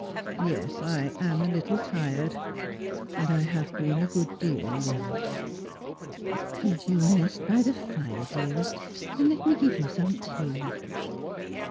' Yes, I am a little tired , and I have been a good deal worried.' ' Come to your nest by the fire, dearest, and let me give you some tea.'